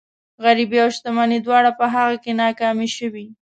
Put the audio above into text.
غريبي او شتمني دواړه په هغه کې ناکامې شوي.